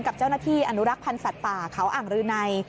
กับเจ้าหน้าที่อนุรักษ์พันธ์สัตว์ป่าเขาอ่างรืนัย